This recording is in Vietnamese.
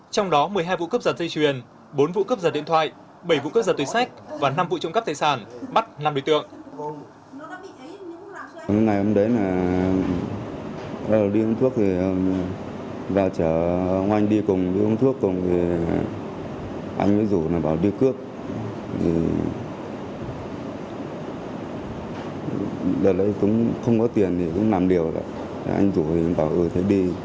trong đó một mươi hai vụ cướp giật dây truyền bốn vụ cướp giật điện thoại bảy vụ cướp giật tuy sách